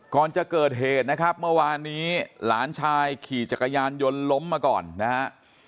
ก่อนจะเกิดเหตุนะครับเมื่อวานนี้หลานชายขี่จักรยานยนต์ล้มมาก่อนนะฮะ